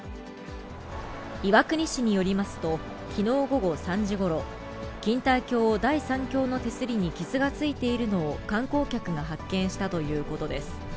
岩国市によりますと、きのう午後３時ごろ、錦帯橋第３橋の手すりに傷がついているのを観光客が発見したということです。